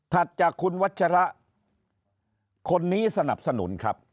จากคุณวัชระคนนี้สนับสนุนครับ